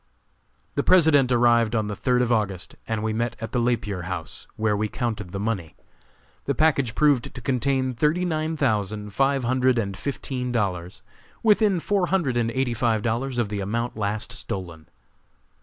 The President arrived on the third of August, and we met at the Lapier House, where we counted the money. The package proved to contain thirty nine thousand five hundred and fifteen dollars within four hundred and eighty five dollars of the amount last stolen.